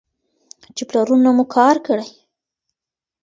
چې پلرونو مو کار کړی.